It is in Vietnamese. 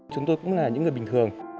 chúng tôi cũng là những người bình thường